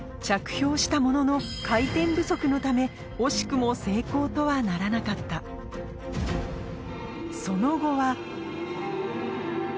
着氷したものののため惜しくも成功とはならなかったその後は